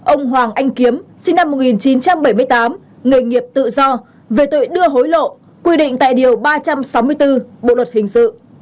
ông hoàng anh kiếm sinh năm một nghìn chín trăm bảy mươi tám nghề nghiệp tự do về tội đưa hối lộ quy định tại điều ba trăm sáu mươi bốn bộ luật hình sự